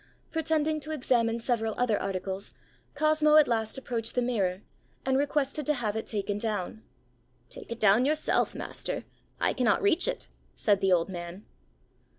Pretending to examine several other articles, Cosmo at last approached the mirror, and requested to have it taken down. ãTake it down yourself, master; I cannot reach it,ã said the old man.